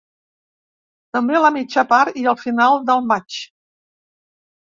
També a la mitja part i al final del matx.